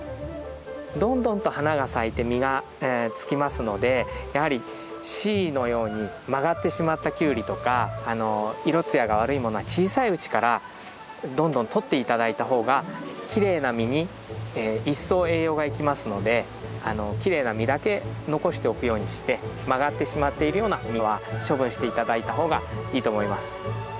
どんどんと花が咲いて実がつきますのでやはりＣのように曲がってしまったキュウリとか色ツヤが悪いものは小さいうちからどんどんとって頂いた方がきれいな実に一層栄養が行きますのできれいな実だけ残しておくようにして曲がってしまっているようなものは処分して頂いた方がいいと思います。